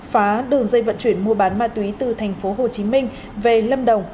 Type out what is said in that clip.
phá đường dây vận chuyển mua bán ma túy từ tp hồ chí minh về lâm đồng